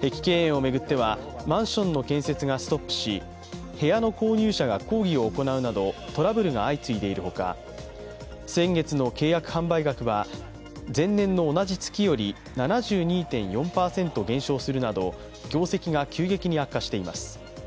碧桂園を巡ってはマンションの建設がストップし部屋の購入者が抗議を行うなどトラブルが相次いでいるほか、先月の契約販売額は前年の同じ月より７２．４％減少するなど業績が急激に悪化しています。